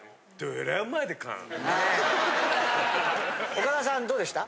オカダさんどうでした？